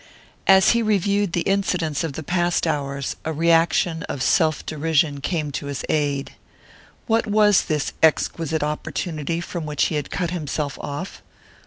As he reviewed the incidents of the past hours, a reaction of self derision came to his aid. What was this exquisite opportunity from which he had cut himself off?